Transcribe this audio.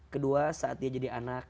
kedua saat dia jadi anak